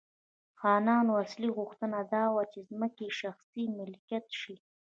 خانانو اصلي غوښتنه دا وه چې ځمکې یې شخصي ملکیت شي.